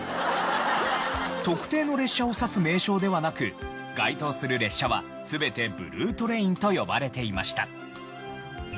特定の列車を指す名称ではなく該当する列車は全てブルートレインと呼ばれていました。